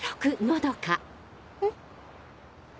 えっ。